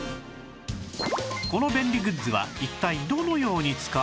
この便利グッズは一体どのように使う？